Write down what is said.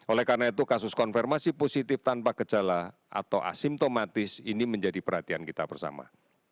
oleh karena itu kasus konfirmasi positif tanpa gejala atau asimptomatis ini menjadi perhatian kita bersama